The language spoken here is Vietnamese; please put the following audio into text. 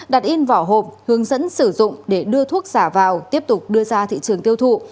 đặt in vỏ hộp hướng dẫn sử dụng để đưa thuốc giả vào tiếp tục đưa ra thị trường tiêu thụ